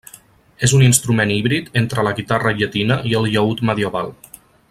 És un instrument híbrid entre la guitarra llatina i el llaüt medieval.